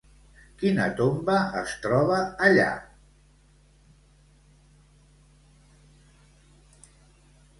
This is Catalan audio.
Quina tomba es troba allà?